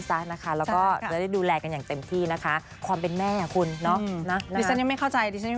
จะไปอย่างเดียวแล้ว